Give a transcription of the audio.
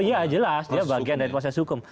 iya jelas dia bagian dari proses hukum